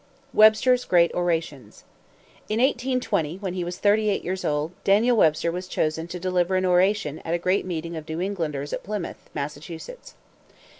WEBSTER'S GREAT ORATIONS. In 1820, when he was thirty eight years old, Daniel Webster was chosen to deliver an oration at a great meeting of New Englanders at Plymouth, Massachusetts.